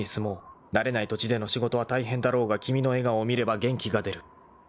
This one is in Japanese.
［慣れない土地での仕事は大変だろうが君の笑顔を見れば元気が出る］